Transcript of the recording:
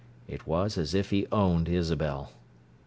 It was as if he owned Isabel.